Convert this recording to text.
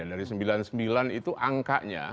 dari seribu sembilan ratus sembilan puluh sembilan itu angkanya